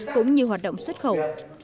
cũng như hoạt động xuất khẩu